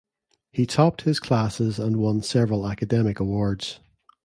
He topped his classes and won several academic awards.